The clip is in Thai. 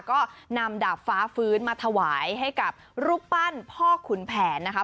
ก็นำดาบฟ้าฟื้นมาถวายให้กับรูปปั้นพ่อขุนแผนนะคะ